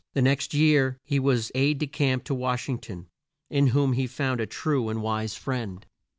The next year he was aide de camp to Wash ing ton, in whom he found a true and wise friend.